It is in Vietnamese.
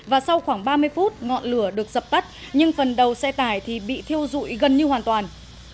và sau khoảng ba mươi phút ngọn lửa được dập tắt nhưng phần đầu xe tải thì bị thiêu dụi gần như hoàn toàn